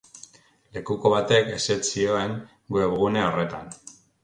Lekuko batek ezetz zioen webgune horretan.